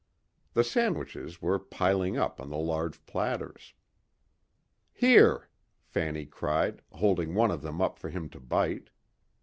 The sandwiches were piling up on the large platters. "Here," Fanny cried, holding one of them up for him to bite.